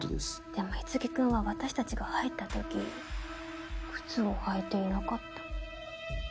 でも樹君は私たちが入った時靴を履いていなかった。